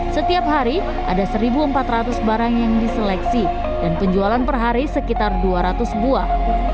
setiap hari ada satu empat ratus barang yang diseleksi dan penjualan per hari sekitar dua ratus buah